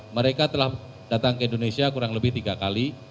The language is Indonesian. mereka telah datang ke indonesia kurang lebih tiga kali